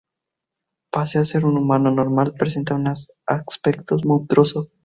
Pese a ser un humano normal presenta un aspecto monstruoso.